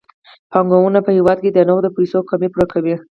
بانکونه په هیواد کې د نغدو پيسو کمی پوره کوي.